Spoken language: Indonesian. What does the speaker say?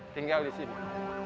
tinggal di sini